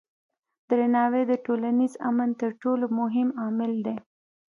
درناوی د ټولنیز امن تر ټولو مهم عامل دی.